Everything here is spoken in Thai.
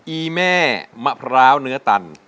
อีแม่มะพร้าวเนื้อตัน